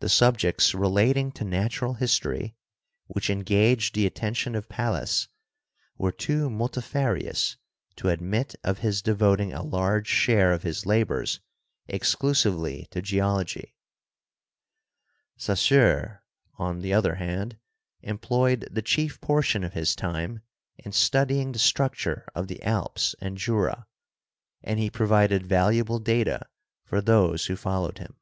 The subjects relating to natural history which engaged the attention of Pallas were too multifarious to admit of his devoting a large share of his labors exclusively to Geology. Saussure, on GEOLOGY AND THE CHURCH 43 the other hand, employed the chief portion of his time in studying the structure of the Alps and Jura, and he pro vided valuable data for those who followed him.